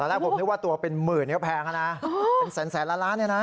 แรกผมนึกว่าตัวเป็นหมื่นก็แพงแล้วนะเป็นแสนล้านเนี่ยนะ